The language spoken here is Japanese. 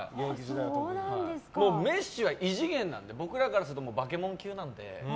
メッシは異次元なので僕らからすると化け物級なので。